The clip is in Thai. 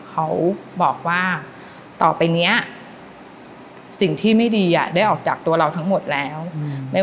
เขาบอกว่าต่อไปเนี้ยสิ่งที่ไม่ดีอ่ะได้ออกจากตัวเราทั้งหมดแล้วอืม